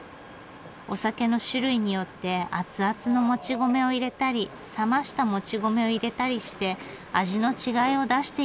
お酒の種類によってアツアツのもち米を入れたり冷ましたもち米を入れたりして味の違いを出しているんだそうです。